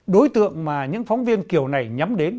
đối tượng mà những phóng viên kiểu này nhắm đến